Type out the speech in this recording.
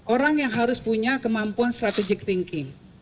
orang yang harus punya kemampuan strategic thinking